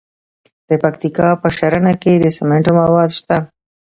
د پکتیکا په ښرنه کې د سمنټو مواد شته.